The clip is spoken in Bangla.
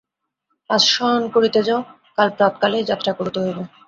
আজ শয়ন করিতে যাও, কাল প্রাতঃকালেই যাত্রা করিতে হইবে।